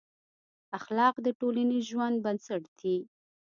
اخلاق د ټولنیز ژوند بنسټ دي.